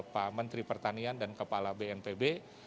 pak menteri pertanian dan kepala bnpb